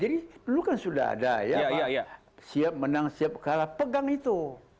jadi perlu kan sudah ada ya siap menang siap kalah pegang itu